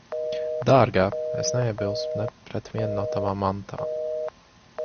Dārgā, es neiebilstu ne pret vienu no tavām mantām.